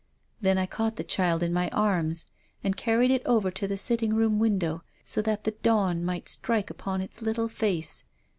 Then I caught the child in my arms and carried it over to the sitting room window so that the dawn might strike upon its little face.